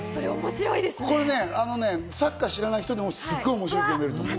これね、サッカー知らない人でもすごい面白く読めると思う。